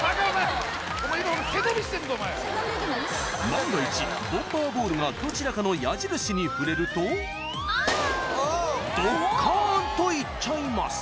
万が一ボンバーボールがどちらかの矢印に触れるとどっかん！といっちゃいます